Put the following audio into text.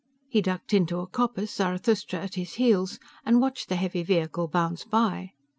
He ducked into a coppice, Zarathustra at his heels, and watched the heavy vehicle bounce by.